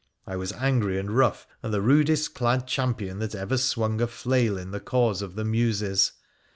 I was angry and rough, and the rudest clad champion that ever swung a flail in the cause of the muses.